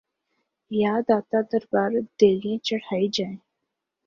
یا داتا دربار دیگیں چڑھائی جائیں؟